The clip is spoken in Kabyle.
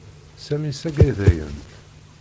Sami saggadayent.